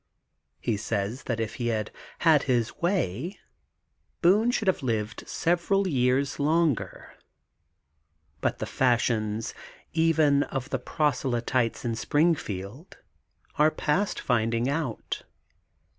He says that if he had had his way, Boone should have lived several years longer, but the fashions, even of proselytes in Springfield, are past finding out.